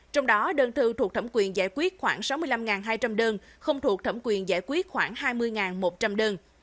trong đó đơn thư thuộc thẩm quyền giải quyết khoảng sáu mươi năm hai trăm linh đơn không thuộc thẩm quyền giải quyết khoảng hai mươi một trăm linh đơn